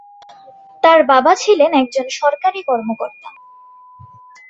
তার বাবা ছিলেন একজন সরকারী কর্মকর্তা।